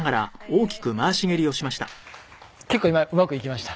結構今うまくいきました。